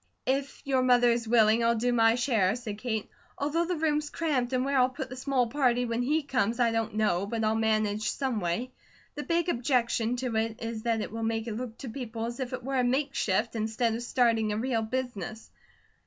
"If your mother is willing, I'll do my share," said Kate, "although the room's cramped, and where I'll put the small party when he comes I don't know, but I'll manage someway. The big objection to it is that it will make it look to people as if it were a makeshift, instead of starting a real business."